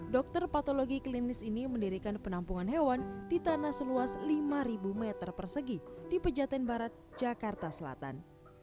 dokter patologi klinis ini mendirikan penampungan hewan di tanah seluas lima meter persegi di pejaten barat jakarta selatan